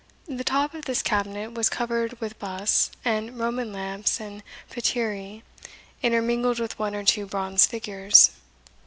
The top of this cabinet was covered with busts, and Roman lamps and paterae, intermingled with one or two bronze figures.